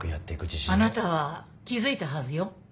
あなたは気付いたはずよ。